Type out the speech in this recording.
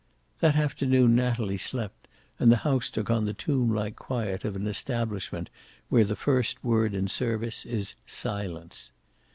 That afternoon Natalie slept, and the house took on the tomb like quiet of an establishment where the first word in service is silence.